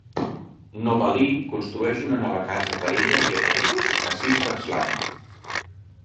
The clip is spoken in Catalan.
Novalee construeix una nova casa per ella i Americus a Sister's land.